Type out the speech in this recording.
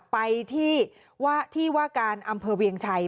ไปที่ว่าการอำเภอเวียงชัย